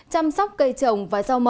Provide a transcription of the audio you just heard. chăm sóc cây trứng